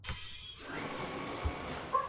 We should all be ashamed.